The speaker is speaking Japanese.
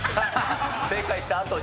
正解したあとに。